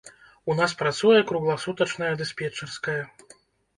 У нас працуе кругласутачная дыспетчарская.